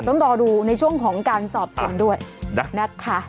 ต้องรอดูในช่วงของการสอบสวนด้วยนะคะ